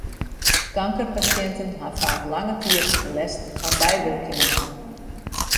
Kankerpasjinten ha faak lange tiid lêst fan bywurkingen.